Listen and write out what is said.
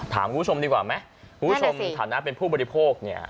คุณผู้ชมดีกว่าไหมคุณผู้ชมฐานะเป็นผู้บริโภคเนี่ย